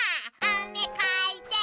「あめかいて」